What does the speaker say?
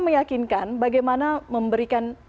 meyakinkan bagaimana memberikan